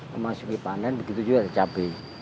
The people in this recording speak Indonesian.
memasuki panen begitu juga ada cabai